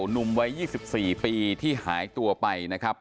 หนุ่มวัย๒๔ปีที่หายตัวไปนะครับ